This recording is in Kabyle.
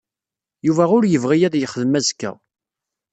Yuba ur yebɣi ad yexdem azekka.